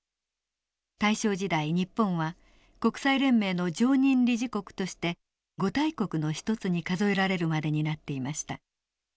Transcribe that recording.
大正時代日本は国際連盟の常任理事国として五大国の一つに数えられるまでになっていました。